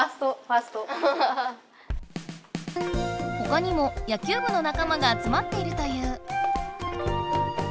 ほかにも野球部のなかまがあつまっているという。